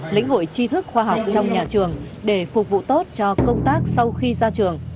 lĩnh hội chi thức khoa học trong nhà trường để phục vụ tốt cho công tác sau khi ra trường